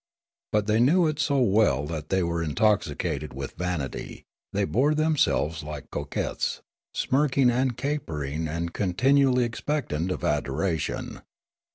But they knew it so well that they were intoxicated with vanit}'; the}' bore themselves like coquettes, smirking and capering and continually expectant of adoration.